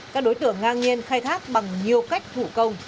các đối tượng ngang nhiên khai thác bằng nhiều cách thủ công